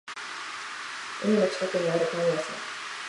海の近くにあるパン屋さん